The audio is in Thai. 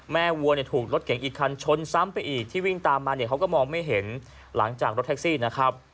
วัวเนี่ยถูกรถเก่งอีกคันชนซ้ำไปอีกที่วิ่งตามมาเนี่ยเขาก็มองไม่เห็นหลังจากรถแท็กซี่นะครับ